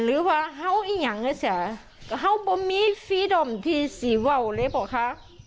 หรือว่าเขาอีกอย่างหน่อยสิค่ะ